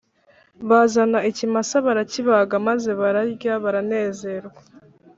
Bazana ikimasa barakibaga maze bararya baranezerwa